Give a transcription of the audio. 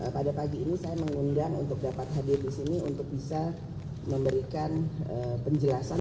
pada pagi ini saya mengundang untuk dapat hadir di sini untuk bisa memberikan penjelasan